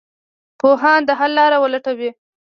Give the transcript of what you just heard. پوهان د حل لاره ولټوي.